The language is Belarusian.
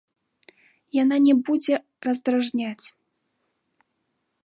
Яна не будзе раздражняць.